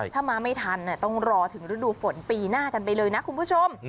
ถ้ามาไม่ทันต้องรอถึงฤดูฝนปีหน้ากันไปเลยนะคุณผู้ชม